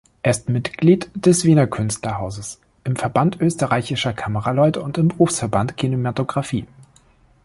Er ist Mitglied des Wiener Künstlerhauses, im Verband österreichischer Kameraleute und im Berufsverband Kinematografie.